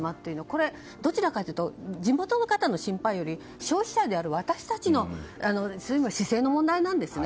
これは、どちらかというと地元の方の心配というより消費者である私たちの姿勢の問題なんですね。